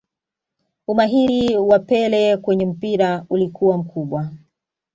Umahiri waa pele kwenye mpira ulikuwa mkubwa